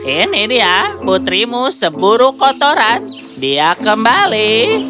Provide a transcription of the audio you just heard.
ini dia putrimu seburu kotoran dia kembali